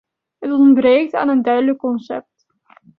Het ontbreekt aan een duidelijk concept.